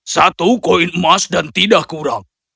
satu koin emas dan tidak kurang